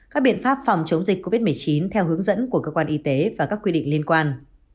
các biện pháp phòng chống dịch covid một mươi chín theo hướng dẫn của cơ quan y tế và các quy định liên quan